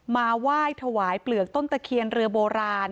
มาไหว้ถวายเปลือกต้นตะเคียนเรือโบราณ